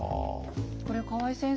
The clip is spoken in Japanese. これ河合先生